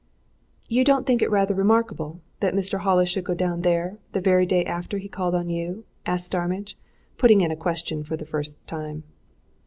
"You don't think it rather remarkable that Mr. Hollis should go down there the very day after he called on you?" asked Starmidge, putting in a question for the first time.